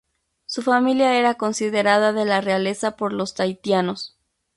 Su familia era considerada de la realeza por los tahitianos.